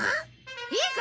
いいか！